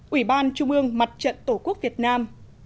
ủy ban chú bương mặt trận tổ quốc việt nam